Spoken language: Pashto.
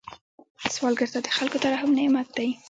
سوالګر ته د خلکو ترحم نعمت دی